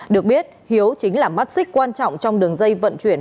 được biết hiếu chính là mắt xích quan trọng trong đường dây vận chuyển